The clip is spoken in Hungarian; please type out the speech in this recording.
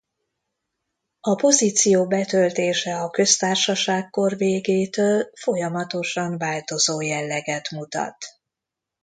A pozíció betöltése a köztársaságkor végétől folyamatosan változó jelleget mutat.